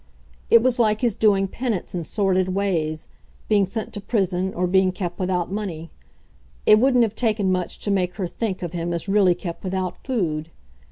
It was like his doing penance in sordid ways being sent to prison or being kept without money; it wouldn't have taken much to make her think of him as really kept without food.